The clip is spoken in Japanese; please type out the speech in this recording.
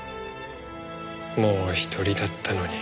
もう１人だったのに。